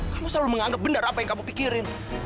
kamu selalu menganggap benar apa yang kamu pikirin